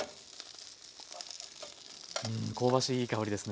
うん香ばしいいい香りですね。